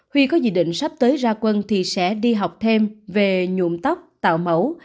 khi có dự định sắp tới ra quân thì sẽ đi học thêm về nhuộm tóc tạo mẫu